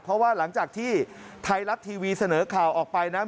เพราะว่าหลังจากที่ไทยรัฐทีวีเสนอข่าวออกไปนั้น